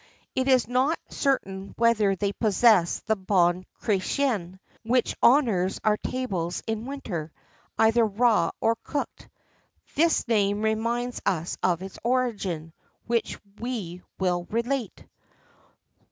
It is not certain whether they possessed the Bon Chrétien, which honours our tables in winter, either raw or cooked. This name reminds us of its origin, which we will relate.